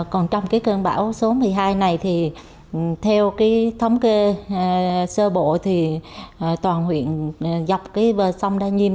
còn trong cái cơn bão số một mươi hai này thì theo cái thống kê sơ bộ thì toàn huyện dọc cái bờ sông đa nhiêm